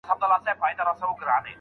املا د غږونو په سم تشخیص کي مرسته کوي.